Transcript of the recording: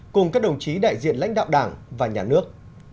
cùng các đồng chí đại diện lãnh đạo đảng và nhà nước